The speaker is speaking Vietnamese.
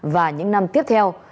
và những năm tiếp theo